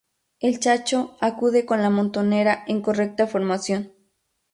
El Chacho acude con la montonera en correcta formación.